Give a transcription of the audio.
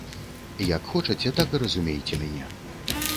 Як хочаце, так і разумейце мяне.